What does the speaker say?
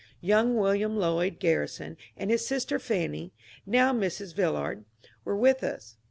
Young William Lloyd Garrison and his sister Fanny (now Mrs. Villard) were with us.